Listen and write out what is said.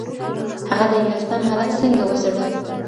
هغه د انګلستان حالت څنګه وڅېړه؟